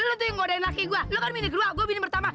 lu tuh yang ngodain laki gua lu kan bini kedua gua bini pertama